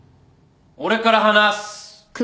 俺から話す。